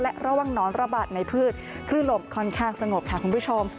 และระวังหนอนระบาดในพืชคลื่นลมค่อนข้างสงบค่ะคุณผู้ชม